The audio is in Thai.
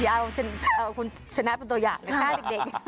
อย่าเอาฉันเอาคุณชนะเป็นตัวอย่างเลยค่ะเด็ก